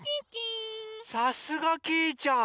さすがきいちゃん！